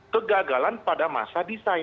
kegagalan pada masa desain